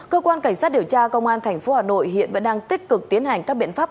cơ quan cảnh sát điều tra công an tp hà nội hiện vẫn đang tích cực tiến hành các biện pháp